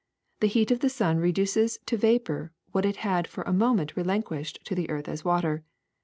The heat of the sun reduces to vapor what it had for a mo ment relinquished to the earth as water.